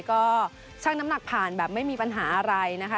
ก็ช่างน้ำหนักผ่านแบบไม่มีปัญหาอะไรนะคะ